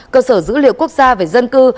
cơ sở dữ liệu quốc gia về dân cư